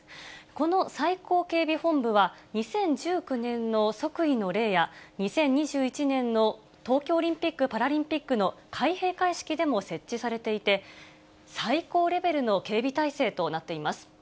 この最高警備本部は、２０１９年の即位の礼や、２０２１年の東京オリンピック・パラリンピックの開閉会式でも設置されていて、最高レベルの警備態勢となっています。